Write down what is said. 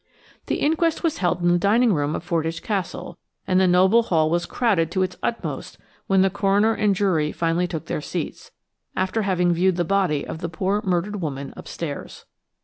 The inquest was held in the dining room of Fordwych Castle, and the noble hall was crowded to its utmost when the coroner and jury finally took their seats, after having viewed the body of the poor murdered woman upstairs.